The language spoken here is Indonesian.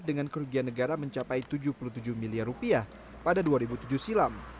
dengan kerugian negara mencapai tujuh puluh tujuh miliar rupiah pada dua ribu tujuh silam